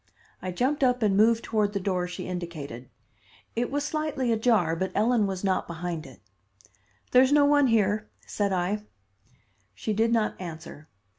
I jumped up and moved toward the door she indicated. It was slightly ajar, but Ellen was not behind it. "There's no one here," said I. She did not answer.